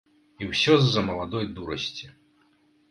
І ўсё з-за маладой дурасці.